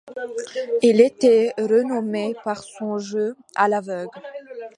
Il était renommé pour son jeu à l'aveugle.